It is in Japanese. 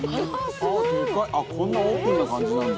「こんなオープンな感じなんだ」